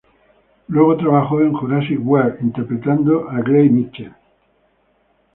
Luego, trabajó en "Jurassic World", interpretando a Gray Mitchell.